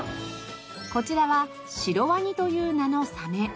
こちらはシロワニという名のサメ。